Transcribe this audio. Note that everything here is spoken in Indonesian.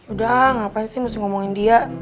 udah ngapain sih mesti ngomongin dia